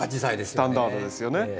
スタンダードですよね。